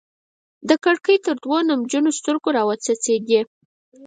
د کړکۍ تر دوو نمجنو ستوګو راوڅڅيدې